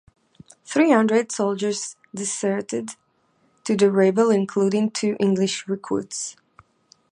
Three hundred soldiers deserted to the rebels including two English recruits.